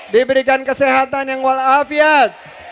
diberikan kesehatan yang walafiat